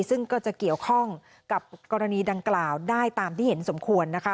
ซึ่งก็จะเกี่ยวข้องกับกรณีดังกล่าวได้ตามที่เห็นสมควรนะคะ